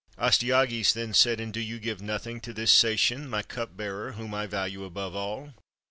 Astyages then said, "And do you give nothing to this Sacian, my cup bearer, whom I value above all?"